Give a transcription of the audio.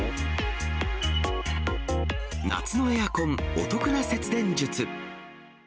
夏のエアコンお得な節電術。